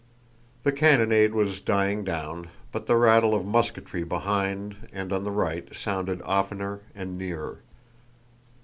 The cannonade was dying down, but the rattle of musketry behind and on the right sounded oftener and nearer.